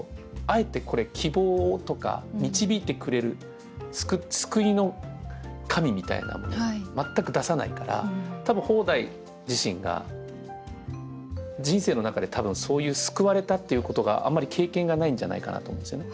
あえてこれ希望とか導いてくれる「救いの神」みたいなもの全く出さないから多分方代自身が人生の中で多分そういう救われたっていうことがあんまり経験がないんじゃないかなと思うんですよね。